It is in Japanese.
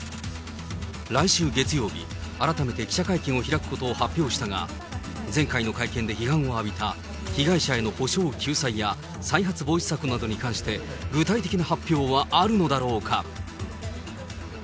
来週月曜日、改めて記者会見を開くことを発表したが、前回の会見で批判を浴びた被害者への補償救済や再発防止策に関して、具体的な発表はあるのだろうか。